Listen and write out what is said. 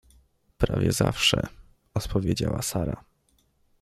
— Prawie zawsze — odpowiedziała Sara.